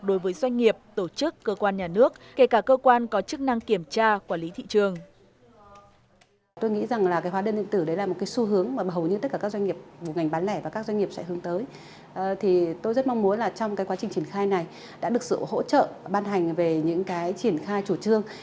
đối với doanh nghiệp tổ chức cơ quan nhà nước kể cả cơ quan có chức năng kiểm tra quản lý thị trường